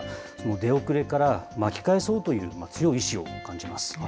出遅れから巻き返そうという強い意志を感じます。